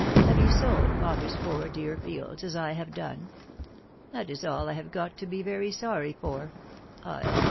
: have you sold father^ *poor dear fields as I have done ? That is all >I have got 4o 'be very soxsy f or. .«... I ought